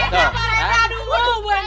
aduh bu hendang